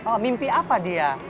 oh mimpi apa dia